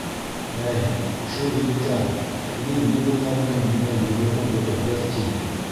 - Әй, шул еткән, һинең мебелдәреңдең миңә егерме бото - бер тин.